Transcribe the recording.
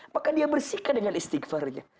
maka dia bersihkan dengan istighfarnya